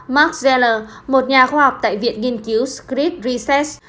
mark zeller một nhà khoa học tại viện nghiên cứu script research